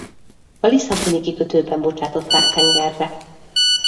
A lisszaboni kikötőben bocsátották tengerre.